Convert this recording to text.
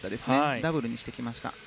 ダブルにしてきました。